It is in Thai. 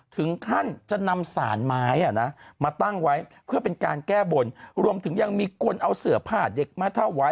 ถึงขั้นจะนำสารไม้มาตั้งไว้เพื่อเป็นการแก้บนรวมถึงยังมีคนเอาเสื้อผ้าเด็กมาเท่าไว้